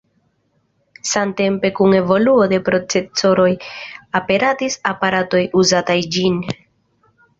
Samtempe kun evoluo de procesoroj aperadis aparatoj uzataj ĝin.